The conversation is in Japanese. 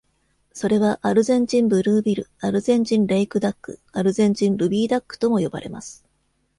それは、アルゼンチンブルービル、アルゼンチンレイクダック、アルゼンチンルビーダックとも呼ばれます。